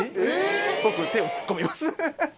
僕手を突っ込みますハハハ！